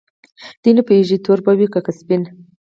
دوی نه پوهیږي چې تور به وي که سپین.